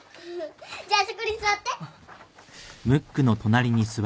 じゃそこに座って。